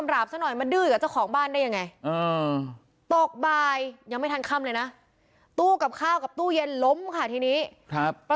ฝังดินเลยหรอ